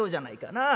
なあ。